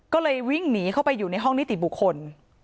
ก็เลยวิ่งหนีเข้าไปอยู่ในห้องนิติบุคคล